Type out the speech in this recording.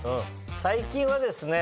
最近はですね